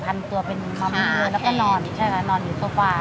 แล้วก็นอนอยู่โซฟา